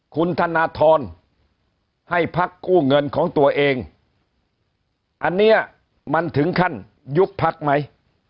คุณธนทรให้พักกู้เงินของตัวเองอันนี้มันถึงขั้นยุบพักไหม